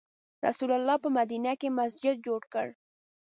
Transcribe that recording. رسول الله په مدینه کې مسجد جوړ کړ.